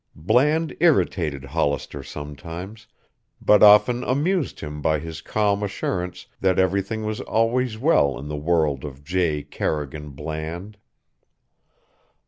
Bland irritated Hollister sometimes, but often amused him by his calm assurance that everything was always well in the world of J. Carrington Bland.